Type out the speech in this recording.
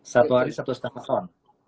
satu hari satu setengah tahun